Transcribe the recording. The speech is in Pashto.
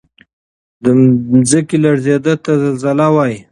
د ځمکې لړزیدو ته زلزله وایي